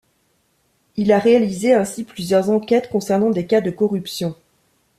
Il a réalisé ainsi plusieurs enquêtes concernant des cas de corruption.